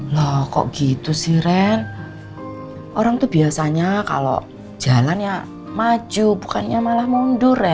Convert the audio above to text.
loh kok gitu sih rem orang tuh biasanya kalo jalan ya maju bukannya malah mundur rem